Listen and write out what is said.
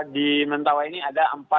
di mentawa ini ada